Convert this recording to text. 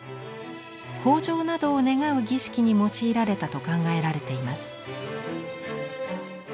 豊穣などを願う儀式に用いられたと考えられています。